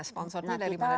sponsornya dari mana